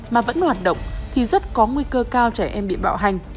mà vẫn hoạt động thì rất có nguy cơ cao trẻ em bị bạo hành